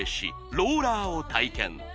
ローラーを体験